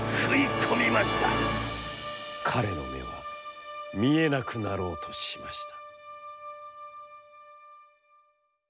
彼の目は見えなくなろうとしました」。